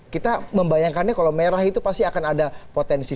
kita membayangkannya kalau merah itu pasti akan ada potensi